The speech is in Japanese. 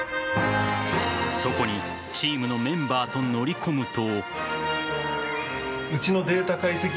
そこにチームのメンバーと乗り込むと。